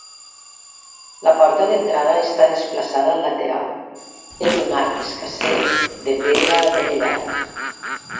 La porta d'entrada està desplaçada al lateral, és un arc escarser de pedra adovellat.